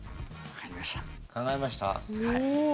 考えました？